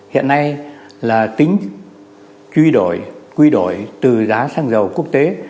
hiện nay là tính quy đổi từ giá xăng dầu quốc tế